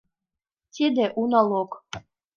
— Тиде — у налог.